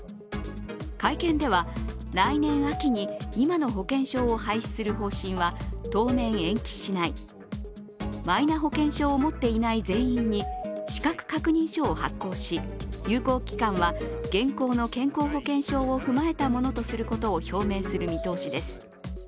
会見では、来年秋に今の保険証を廃止する方針は当面延期しない、マイナ保険証を持っていない全員に資格確認書を発行し、有効期間は現行の健康保険証を踏まえたものとすることを表明する見通しです。